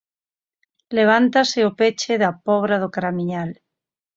Levántase o peche da Pobra do Caramiñal.